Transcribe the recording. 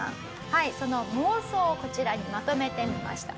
はいその妄想をこちらにまとめてみました。